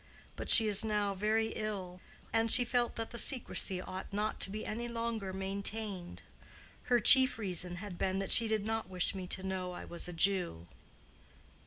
But she is now very ill, and she felt that the secrecy ought not to be any longer maintained. Her chief reason had been that she did not wish me to know I was a Jew."